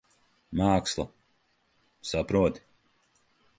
Māksla. Saproti?